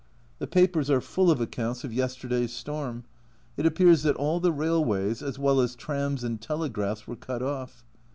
The papers are full of accounts of yesterday's storm. It appears that all the railways, as well as trams and telegraphs, were cut off.